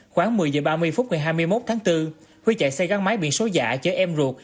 khoảng một mươi h ba mươi phút ngày hai mươi một tháng bốn huy chạy xe gắn máy biển số giả chở em ruột